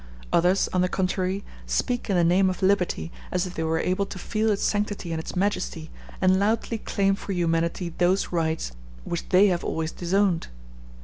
Others, on the contrary, speak in the name of liberty, as if they were able to feel its sanctity and its majesty, and loudly claim for humanity those rights which they have always disowned.